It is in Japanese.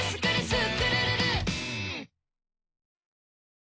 スクるるる！」